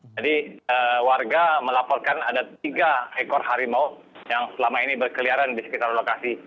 jadi warga melaporkan ada tiga ekor harimau yang selama ini berkeliaran di sekitar lokasi